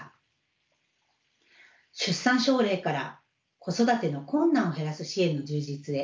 出産奨励から子育ての困難を減らす支援の充実へ。